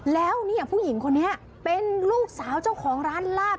แล้วเนี่ยผู้หญิงคนนี้เป็นลูกสาวเจ้าของร้านลาบ